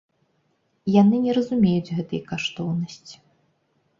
Яны не разумеюць гэтай каштоўнасці.